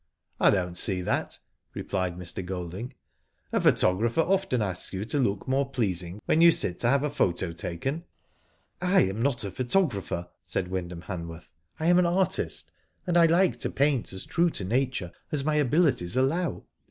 "I don't see that," replied Mr. Golding. "A photographer often asks you to look more pleas ing when you sit to have a photo taken." Digitized byGoogk 198 IVffO DID ITf I am not a photographer," said Wyndham Hanworth. *'I am an artist, and I like to paint as true to nature as my abilities allow.